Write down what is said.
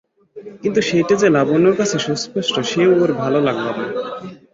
কিন্তু সেইটে যে লাবণ্যর কাছে সুস্পষ্ট সেও ওর ভালো লাগল না।